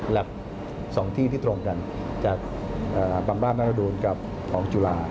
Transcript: หลัก๒ที่ที่ตรงกันจากบำบาดนักดูลกับหอมจุฬา